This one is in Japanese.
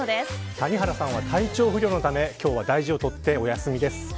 谷原さんは体調不良のため今日は大事をとってお休みです。